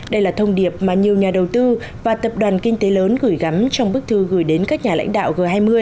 đây là thông điệp mà nhiều nhà đầu tư và tập đoàn kinh tế lớn gửi gắm trong bức thư gửi đến các nhà lãnh đạo g hai mươi